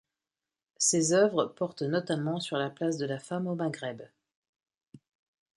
Ses œuvres portent notamment sur la place de la femme au Maghreb.